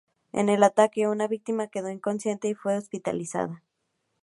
En el ataque, una víctima quedó inconsciente y fue hospitalizada.